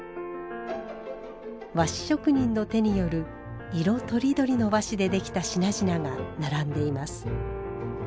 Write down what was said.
和紙職人の手による色とりどりの和紙でできた品々が並んでいます。